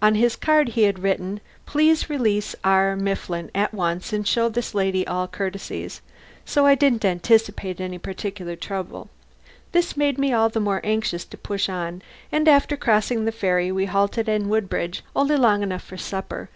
On his card he had written: "Please release R. Mifflin at once and show this lady all courtesies." So I didn't anticipate any particular trouble. This made me all the more anxious to push on, and after crossing the ferry we halted in Woodbridge only long enough for supper.